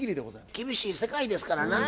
厳しい世界ですからなぁ。